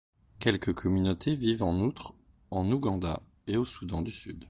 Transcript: Quelques communautés vivent en outre en Ouganda et au Soudan du Sud.